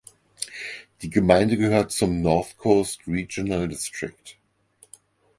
Die Gemeinde gehört zum North Coast Regional District.